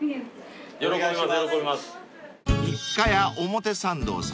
喜びます。